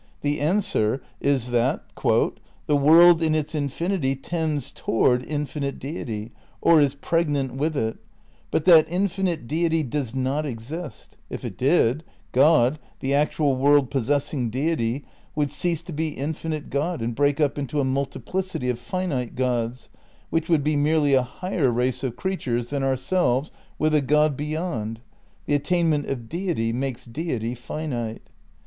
The answer is that "the world in its infinity tends toward infinite deity, or is preg nant with it, but that infinite deity does not exist; ... if it did, God — the actual world possessing deity — would cease to be infinite God and break up into a multiplicity of finite gods, which would be merely a higher race of creatures than ourselves with a God be yond ..,"... "the attainment of deity makes deity finite"